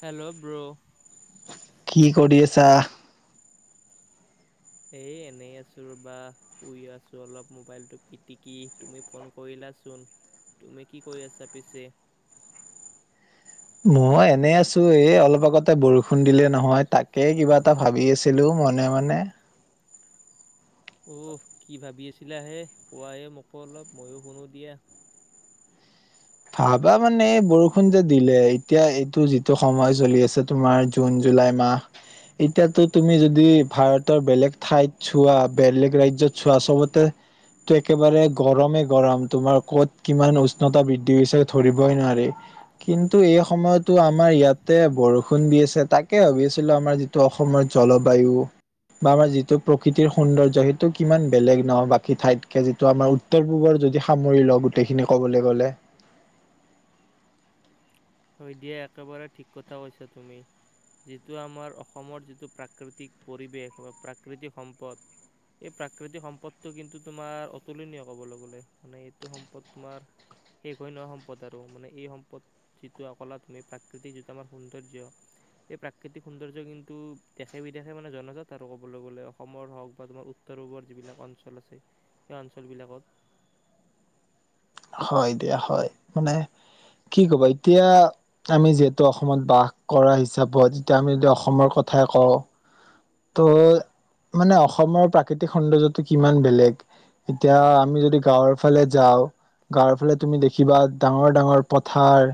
Hello, bro. কি কৰি আছা? এ এনেই আছো ৰ'বা, শুই আছো অলপ মোবাইলটো পিটিকি তুমি ফোন কৰিলাচোন। তুমি কি কৰি আছা পিছে? মই এনেই আছো, এই অলপ আগতে বৰষুণ দিলে নহয় তাক কে কিবা এটা ভাবি আছ আছিলো মনে মনে অহ কি ভাবি আছিলা হে? কোৱাহে মোকো অলপ, ময়ো শুনো দিয়া। ভাবা মানে বৰষুণ যে দিলে এতিয়া এইটো যিটো সময় চলি আছে তোমাৰ জুন জুলাই মাহ, এতিয়াতো তুমি যদি ভাৰতৰ বেলেগ ঠাইত চোৱা, বেলেগ ৰাজ্যত চোৱা, চবতে তো একেবাৰে গৰমে গৰম তোমাৰ ক'ত কিমান উষ্ণতা বৃদ্ধি ধি হৈছে ধৰিবই নোৱাৰি। কিন্তু এই সময়তো আমাৰ ইয়াতে বৰষুণ দি আছে তাকে ভাবি আছিলো আমাৰ যিটো অসমৰ জলবায়ু, বা আমাৰ যিটো প্ৰকৃতিৰ সৌন্দৰ্য্য সেইটো কিমান বেলেগ নহ বাকী ঠাইতকে যিটো আমাৰ উত্তৰ পূবৰ যদি সামৰি লওঁ গোটেইখিনি ক'বলে গ'লে হয় দিয়া একেবাৰে ঠিক কথা কৈছা তুমি। যিটো আমাৰ অসমৰ যিটো প্ৰাকৃতিক পৰিৱেশ বা প্ৰাকৃতিক সম্পদ, এই প্ৰাকৃতিক সম্পদটো কিন্তু তোমাৰ অতুলনীয় কবলৈ গলে, মানে এইটো সম্পদ তোমাৰ শেষ হৈ নোৱা সম্পদ আৰু মানে এই সম্পদি কলা তুমি প্ৰাকৃতিক যিটো আমাৰ সৌন্দৰ্য্য, এই প্ৰাকৃতিক সৌন্দৰ্য কিন্তু দেশে বিদেশে মানে জনজাত আৰু কবলৈ গলে, অসমৰ হওক বা তোমাৰ উত্তৰ পূৱৰ যিবিলাক অঞ্চল আছে সেই অঞ্চল বিলাকত হয় দিয়া হয়, মানে কি কবা এতিয়া আমি যিহেতু অসমত বাস কৰা হিচাপত যিতিয়া আমি যদি অসমৰ কথাই কওঁ ত', মানে অসমৰ প্ৰাকৃতিক সৌন্দৰ্যটো কিমান বেলেগ। এতিয়া আমি যদি গাঁৱৰ ফালে যাওঁ, গাঁৱৰ ফালে তুমি দেখিবা ডাঙৰ ডাঙৰ পথাৰ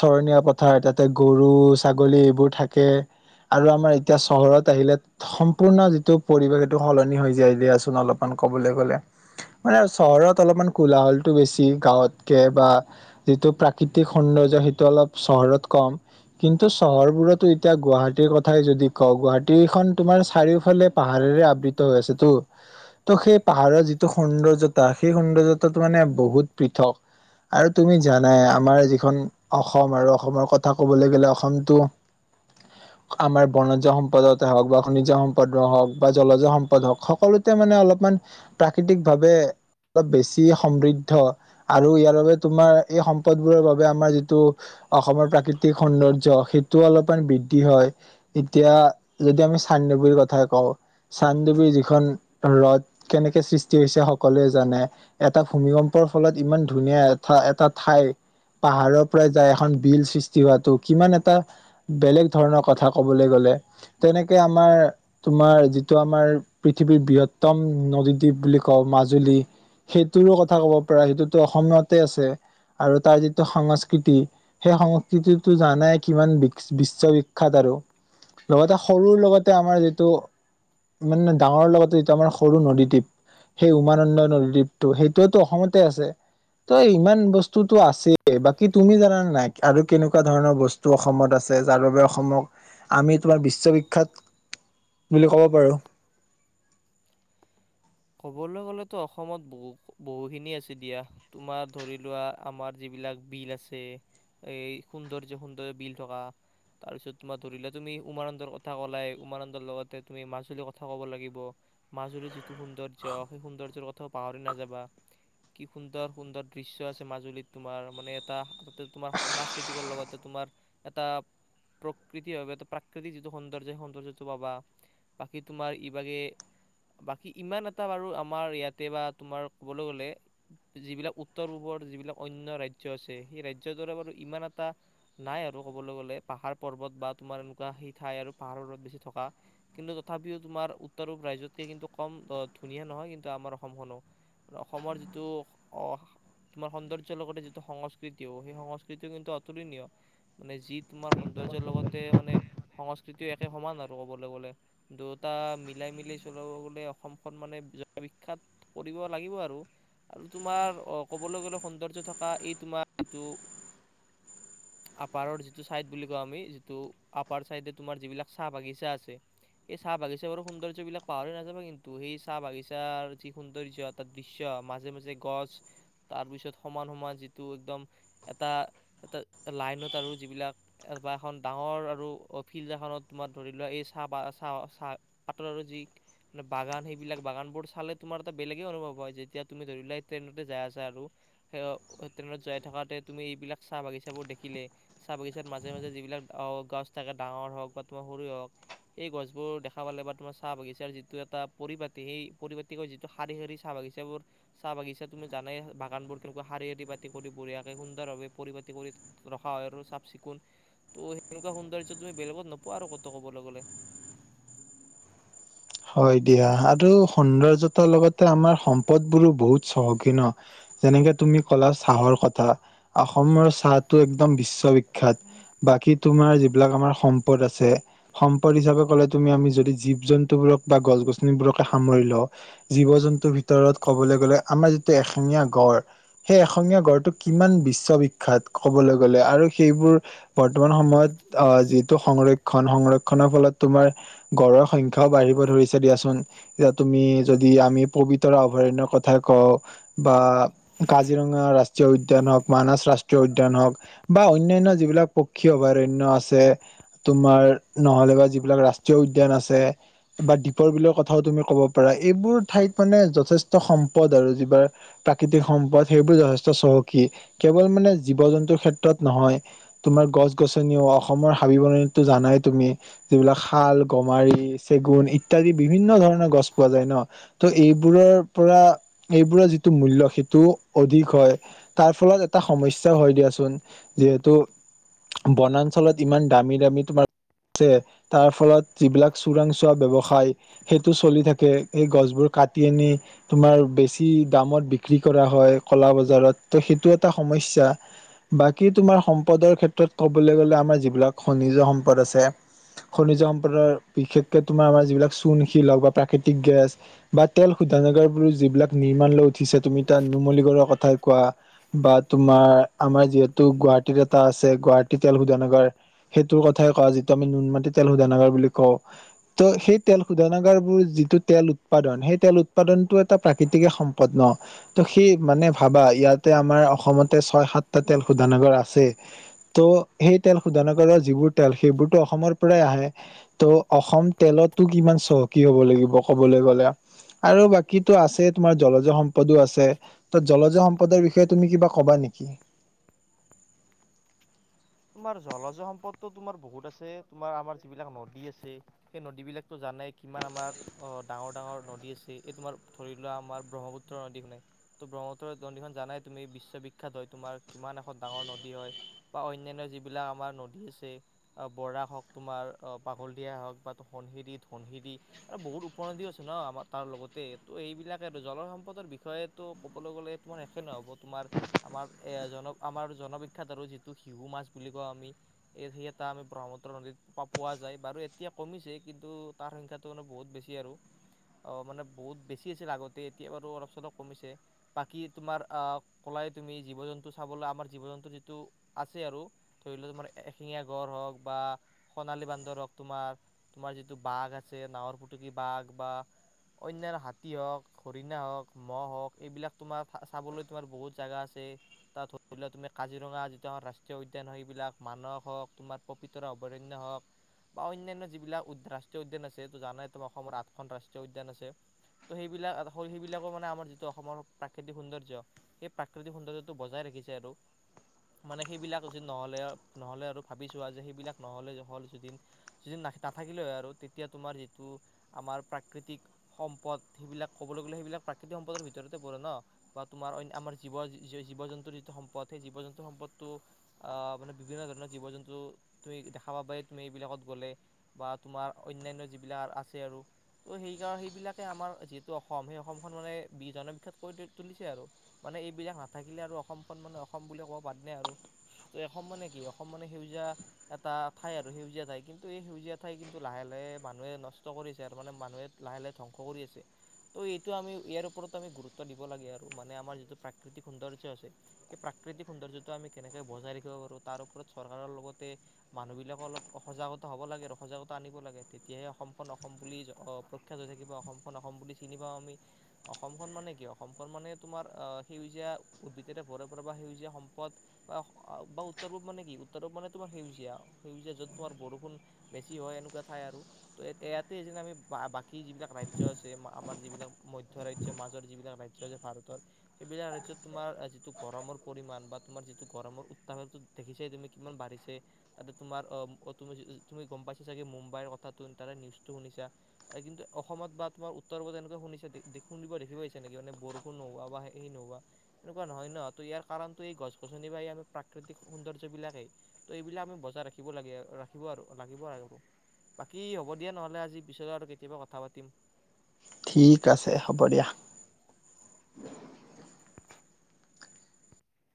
চৰণীয়া পথাৰ তাতে গৰু, ছাগলী, এইবোৰ থাকে আৰু আমাৰ এতিয়া চহৰত আহিলে সম্পূৰ্ণ যিটো পৰিৱেশ সেইটো সলনি হৈ যায় দিয়াচোন অলপমান ক'বলৈ গ'লে। মানে চহৰত অলপমান কোলাহলটো বেছি গাঁৱতকে বা যিটো প্ৰাকৃতিক সৌন্দৰ্য সিটো অলপ চহৰত কম কিন্তু চহৰবোৰতো এতিয়া গুৱাহাটীৰ কথাই যদি কওঁ, গুৱাহাটীখন তোমাৰ চাৰিওফালে পাহাৰেৰে আবৃত্ত হৈ আছেতো। ত' সেই পাহাৰৰ যিটো সৌন্দৰ্যতা সেই সৌন্দৰ্যতাটো মানে বহুত পৃথক আৰু তুমি জানাই আমাৰ যিখন অসম আৰু অসমৰ কথা ক'বলৈ গ'লে অসমতো আমাৰ বনজ সম্পদায়তে হওক বা জ সম্পদ হওঁক বা জলজয় সম্পদ হওঁক, সকলোতে মানে অলপমান প্ৰাকৃতিক ভাৱে অলপ বেছি সম চান্ডুবিৰ কথা কওঁ। চান্ডুবিৰ যিখন ৰদ কেনেকে সৃষ্টি হৈছে সকলোৱে জানে, এটা ভূমিকম্পৰ ফলত ইমান ধুনীয়া এঠা এটা ঠাই, পাহাৰৰ কে আমাৰ, তোমাৰ যিটো আমাৰ পৃথিৱীৰ বৃহত্তম নদীদ্বীপ বুলি কওঁ মাজুলী সেইটোৰো কথা ক'ব পাৰা সিটোতো অসমীয়াতে আছে আৰু তাৰ যিটো সংস্কৃতি, সেই সংস্কৃতিটো জানাই কিমান বিশ্ববিখ্যাত আৰু লগতে সৰুৰ লগতে আমাৰ যিটো, মানে ডাঙৰ লগতে যিটো আমাৰ সৰু নদীদ্বীপ সেই উমানন্দ নদীদ্বীপটো সেইটোৱো অসমতে আছে। ত' ইমান বস্তুতো আছে বাকী তুমি জানানা নাই আৰু কেনেকুৱা ধৰণৰ বস্তু অসমত আছে যাৰ বাবে অসমক আমি তোমাৰ বিশ্ববি বিখ্যাত বুলি ক'ব পাৰোঁ। ক'বলৈ গলেতো অসমত বহু-বহুখিনি আছে দিয়া, তোমাৰ ধৰি লোৱা আমাৰ যিবিলাক বিল আছে এই সৌন্দৰ্য সুন্দৰয় বিল থকা তাৰ পিছত তোমাৰ ধৰিলোৱা তুমি উমানন্দৰ কথা কলাই উমানন্দৰ লগতে তুমি মাজুলীৰ কথা ক'ব লাগিব মাজুল যি সৌন্দৰ্য্য, সেই সৌন্দৰ্যৰ কথাও পাহৰি নাযাবা। কি সুন্দৰ সুন্দৰ দৃশ্য আছে মাজুলীত তোমাৰ মানে এটা তাতে তোমাৰ সাংস্কৃতিকৰ লগতে তোমাৰ এটা প্ৰকৃতি এটা প্ৰাকৃতিক যিটো সৌন্দৰ্য, সেই সৌন্দৰ্যটো পাবা বাকী তোমাৰ ইবাগে বা ই ইমান এটা বাৰু আমাৰ ইয়াতে বা তোমাৰ ক'বলৈ গ'লে, যিবিলাক উত্তৰ পূৱৰ যিবিলাক অন্য ৰাজ্য আছে সেই ৰাজ্যৰ দৰে বাৰু ইমান এটা নাই আৰু ক'বলৈ গ'লে, পাহাৰ পৰ্বত বা তোমাৰ এনেকুৱা সেই ঠাই আৰু পাহাৰৰ ত বেছি থকা কিন্তু তথাপিও তোমাৰ উত্তৰ পূব ৰাজ্যতকে কিন্তু কম অ ধুনীয়া ন অসমখন মানে বিখ্যাত কৰিব লাগিব আৰু, আৰু তোমাৰ অ ক'বলৈ গলে সৌন্দৰ্য থকা এই তোমাৰ যিটো আপাৰৰ যিটো চাইদ বুলি কওঁ আমি যিটো আপাৰ চাইড তোমাৰ যিবিলাক চাহ বাগিচা আছে, সেই চাহ বাগিচা বোৰ সৌন্দৰ্য্যবিলাক পাহৰি নাযাবা কিন্তু ত' সেই চাহ বাগিচাৰ যি সৌন্দৰ্য এটা দৃশ্য মাজে মাজে গছ, তাৰপিছত সমান সমান যিটো একদম এটা এটা লাইনত আৰু যিবিলাক বা এখন ডাঙৰ আৰু ফিল্ড এখনত তোমাৰ ধৰি লোৱা এই চাহ পা চাহ চাহ পাতৰ আৰু যি মানে বাগান সেইবিলাক বাগানবোৰ চালে তোমাৰ এটা বেলেগেই অনুভৱ হয়, যেতিয়া তুমি ধৰি লোৱা এই ট্ৰেইনতে যাই আছা আৰু সেই অ ট্ৰেইনত যাই থকাতে তুমি এইবিলাক চাহ বাগিচাবোৰ দেখিলে, চাহ বাগিচাত মাজে মাজে যিবিলাক অ গছ থাকে ডাঙৰ হওক বা তোমাৰ সৰু হওক, সেই গছবোৰ দেখা পালে বা তোমাৰ চাহ বাগিচাৰ যি তো এটা পৰিপাতি। সেই পৰিপতি কৈ যিটো শাৰী শাৰী চাহ বাগিচাবোৰ, চাহ বাগিচা তুমি জানাই বাগানবোৰ কেনেকুৱা শাৰী পাতি কৰি বঢিয়াকে সুন্দৰভাৱে পৰিপাতি কৰি ৰখা হয় আৰু চাফ চিকুণ, ত' সেনেকুৱা সৌন্দৰ্য তুমি বেলেগত নোপোৱা আৰু ক'ত কবলৈ গলে। হয় দিয়া, আৰু সৌন্দৰ্য্যতাৰ লগতে আমাৰ সম্পদবোৰো বহুত চহকী ন, যেনেকে তুমি কলা চাহৰ কথা অসমৰ চাহটো একদম বিশ্ব বিখ্যাত, বাকী তোমাৰ যিবিলাক আমাৰ সম্পদ আছে সম প হিচাপে কলে তুমি আমি যদি জীব জন্তুবোৰক বা গছ গছনিবোৰকে সামৰি লও। জীৱ জন্তুৰ ভিতৰত ক'বলৈ গলে আমাৰ যিটো এশিঙীয়া গড়, সেই এশিঙীয়া গড়টো কিমান বিশ্ববিখ্যাত ক'বলৈ গলে আৰু সেইবোৰ বৰ্তমান সময়ত আহ যিটো সংৰক্ষণ সংৰক্ষনৰৰ ফলত তোমাৰ গড়ৰ সংখ্যাও বাঢ়িব ব ধৰিছে দিয়াচোন। এতিয়া তুমি যদি আমি পবিতৰা অভয়াৰণ্য কথা কওঁ বা কাজিৰঙা ৰাষ্ট্ৰীয় উদ্যান হওঁক, মানছ ৰাষ্ট্ৰীয় উদ্যান হওঁক, বা অন্যান্য যিবিলাক পক্ষী অভয়াৰণ্য আছে, তোমাৰ নহ'লে বা যিবিলাক ৰাষ্ট্ৰীয় উদ্যান আছে বা দ্বীপৰ বিলৰ কথাও তুমি ক'ব পাৰা। এইবোৰ ঠাইত মানে যথেষ্ট সম্পদ আৰু যিবাৰ প্ৰাকৃতিক সম্পদ সেইবোৰ যথেষ্ট চহকী, কেৱল মানে জীৱ-জন্তুৰ ক্ষেত্ৰত নহয় তোমাৰ গছ গছনিও অসমৰ হাবি বননিতো জানাই তুমি যিবিলাক শাল, গমাৰি চেগুণ, ইত্যাদি বিভিন্ন ধৰণৰ গছ পোৱা যায় ন। ত' এইবোৰৰ পৰা এইবোৰৰ যিটো মূল্য সেইটো অধিক হয়, তাৰ ফলত এটা সমস্যাও হয় দিয়াচোন চোৰাং চোৱা ব্যৱসায়, সেইটো চলি থাকে। এই গছবোৰ কাটি আনি তোমাৰ বেছি দামত বিক্ৰী কৰা হয় কলা বজাৰত, ত' সেইটো এটা সমস্যা বাকী তোমাৰ সম্পদৰ ক্ষেত্ৰত ক'বলে গ'লে আমাৰ যিবিলাক খনিজ সম্পদ আছে, খনিজ সম্পদৰ বিশেষকে তোমাৰ আমাৰ যিবিলাক চূণশিল হওঁক বা প্ৰাকৃতিক গেছ বা তেল শোধনাগাৰবোৰো যিবিলাক নিৰ্মাণ লৈ উঠিছে, তুমি তাত নুমলীগড়ৰ কথাই কোৱা বা তোমাৰ আমাৰ যিহেতু গুৱাহাটীত এটা আছে গুৱাহাটী তেল শোধনাগাৰ সেইটোৰ কথাই কোৱা, যিটো আমি নুনমাটি তেল শোধনাগাৰ বুলি কওঁ ত' সেই তেল শোধনাগৰবোৰ যিটো তেল উৎপাদন, সেই তেল উৎপাদনটো এটা প্ৰাকৃতিকে সম্পদ ন। ত' সেই মানে ভাবা ইয়াতে আমাৰ অসমতে ছয় সাতটা তেল শোধনাগৰ আছে, ত' সেই তেল শোধনাগৰৰ যিবোৰ তেল সেইবোৰতো অসমৰ পৰাই আহে ত' অসম তেলতটো কিমান চহকী হ'ব লাগিব কবলৈ গলে আৰু বাকীটো আছেই তোমাৰ জলজয় সম্পদো আছে। ত' জলজয় সম্পদৰ বিষয়ে তুমি কিবা কবা নিকি? তোমাৰ জলজ সম্পদো তোমাৰ বহুত আছে তোমাৰ আমাৰ যিবিলাক নদী আছে সেই নদীবিলাকটো জানাই কিমান আমাৰ অ ডাঙৰ ডাঙৰ নদী আছে এই তোমাৰ ধৰি লোৱা আমাৰ ব্ৰহ্মপুত্ৰ নদী খনে ত ব্ৰহ্মপুত্ৰ নদী খন জানাই তুমি বিশ্ববিখ্যাত হয় তোমাৰ কিমান এখন ডাঙৰ নদী হয় বা অন্য অনান্য যিবিলাক আমাৰ নদী আছে বৰাক হওঁক তোমাৰ পাগল দিয়া হওক বা ধনশিৰি ধনশিৰি আৰু বহুত উপনদীও আছে ন আমাৰ তাৰ লগতে তো এইবিলাকে আৰু জলসম্পদৰ বিষয়েটো ক'বলৈ গ'লে তোমাৰ শেষে নহ'ব তোমাৰ আমাৰ এ জন আমাৰ জনবিখ্যাত আৰু যিটো শিশু মাছ বুলি কওঁ আমি এই সেই এটা আমি ব্ৰহ্মুপুত্ৰ নদীত পোৱা যায় বাৰু এতিয়া কমিছে কিন্তু তাৰ সংখ্যাটো মানে বহুত বেছি আৰু অ মানে বহুত বেছি আছিল আগতে এতিয়া বাৰু অলপ চলপ কমিছে বাকী তোমাৰ আহ কলাই তুমি জীৱ জন্তু চাবলৈ আমাৰ জীৱ জন্তু যিটো আছে আৰু ধৰি লোৱা তোমাৰ এশিঙীয়া গড় হওক বা সোণালী বান্দৰ হওঁক তোমাৰ তোমাৰ যিটো বাঘ আছে নাহৰ ফুটুকি বাঘ বা অনান্য হাতী হওঁক হৰিণা হওক মহ হওক এইবিলাক তোমাৰ চাবলৈ তোমাৰ বহুত জাগা আছে তাত ধৰি লোৱা তুমি কাজিৰঙা ৰাষ্ট্ৰীয় উদ্যান হয় সেইবিলাক মানস হওক তোমাৰ পবিতৰা অভয়াৰণ্য হওক বা অনান্যয় যিবিলাক উ ৰাষ্ট্ৰীয় উদ্যান আছে ত জানাই তোমাৰ অসমৰ আঠখন ৰাষ্ট্ৰীয় উদ্যান আছে ত' সেইবিলাক সেইবিলাকো মানে আমাৰ যিটো অসমৰ প্ৰাকৃতিক সৌন্দৰ্য্য সেই প্ৰাকৃতিক সৌন্দৰ্যটো বজাই ৰাখিছে আৰু মানে সেইবিলাক যদি নহ'লে নহলে আৰু ভাবিছোৱা যে সেইবিলাক নহ'লে হ'ল যিদিন নাথাকিলে হয় আৰু তেতিয়া তোমাৰ যিটো আমাৰ প্ৰাকৃতিক সম্পদ সেইবিলাক ক'বলৈ গ'লে সেইবিলাক প্ৰাকৃতিক সম্পদৰ ভিতৰতে পৰে ন বা তোমাৰ আমাৰ জীৱ জীৱ জন্তুৰ যিটো সম্পদ সেই জীৱ জন্তু সম্পদটো আহ মানে বিভিন্ন ধৰণৰ জীৱ জন্তু তুমি দেখা পাব তুমি এইবিলাকত গ'লে বা তোমাৰ অনান্য যিবিলাক আছে আৰু ত' সেইকাৰ সেইবিলাকে আমাৰ যিহেতু অসম সেই অসমখন মানে বি জনবিখ্যাত কৰি তুলিছে আৰু মানে এইবিলাক নাথাকিলে আৰু অসমখন মানে অসম বুলি কব বাদ আৰু অসম মানে কি অসম মানে সেউজীয়া এটা ঠাই আৰু সেউজীয়া ঠাই কিন্তু এই সেউজীয়া ঠাই কিন্তু লাহে লাহে মানুহে নষ্ট কৰিছে আৰু মানে মানুহে লাহে লাহে ধ্বংস কৰি আছে ত' এইটো আমি ইয়াৰ ওপৰত আমি গুৰুত্ব দিব লাগে আৰু মানে আমাৰ যিটো প্ৰাকৃতিক সৌন্দৰ্য আছে সেই প্ৰাকৃতিক সৌন্দৰ্য্য টো আমি কেনেকৈ বজাই ৰাখিব পাৰো তাৰ ওপৰত চৰকাৰৰ লগতে মানুহ বিলাকে অলপ সজাগতা হ'ব লাগে আৰু সজাগতা আনিব লাগে তেতিয়াহে অসমখন অসম বুলি প্ৰ্ত হৈ থাকিব বা অসমখন অসম বুলি চিনি পাওঁ আমি অসমখন মানে কি অসমখন মানে তোমাৰ আহ সেউজীয়া উদ্ভিদৰে ভৰে পৰা সেউজীয়া বা বা উত্তৰ পূব মানে কি উত্তৰ পূব মানে তোমাৰ সেউজীয়া সেউজীয়া যত তোমাৰ বৰষুণ বেছি হয় এনেকোৱা ঠাই আৰু ত ইয়াতে যে আমি বা কি যিবিলাক ৰাজ্য আছে আমাৰ যিবিলাক মধ্যৰাজ্য মাজৰ যিবিলাক ৰাজ্য আছে ভাৰতৰ সেইবিলাক ৰাজ্যত তোমাৰ যিটো গৰমৰ পৰিমাণ বা তোমাৰ যিটো গৰমৰ উত্তাপটো দেখিছে তুমি কিমান বাঢ়িছে তাতে তোমাৰ তুমি তুমি গম পাইছা চাগে মুম্বাইৰ কথাটো নিউজটো শুনিছা কিন্তু অসমত বা তুমাৰ উত্তৰ পূবত এনেকুৱা শুনিছ দে শুনিব দেখিব পাইছা নেকি মান বৰষুণ নোহোৱা বা হেৰী নোহোৱা এনেকুৱা নহয় ন ত ইয়াৰ কাৰণটো এই গছ গছনি বা এই আমি প্ৰাকৃতিক সৌন্দৰ্য্য বিলাকেই ত' এইবিলাক আমি বজাই ৰাখিব লাগে ৰাখিব আৰু লাগিব আৰু বাকী হ'ব দিয়া নহ'লে আজি পিছলৈ আৰু কেতিয়াবা কথা পাতিম ঠিক আছে হ'ব দিয়া